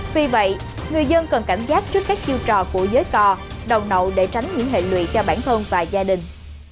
vì vậy người dân cần cảnh giác trước các chiêu trò của giới cò đầu nậu để tránh những hệ lụy cho bản thân và gia đình